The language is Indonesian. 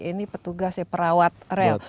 ini petugas ya perawat rel